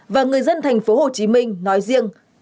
và người dân thành phố hồ chí minh nói riêng